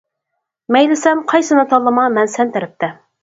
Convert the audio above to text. مەيلى سەن قايسىنى تاللىما مەن سەن تەرەپتە.